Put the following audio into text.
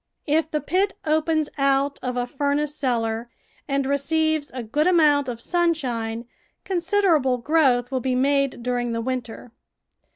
If the pit opens out of a furnace cellar and receives a good amount of sunshine, considerable growth will be made during the winter.